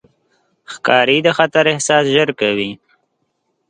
ښکاري د خطر احساس ژر کوي.